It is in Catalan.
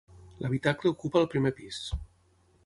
L'habitacle ocupa el primer pis.